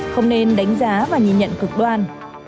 không nên đánh giá và nhìn nhận cực đoan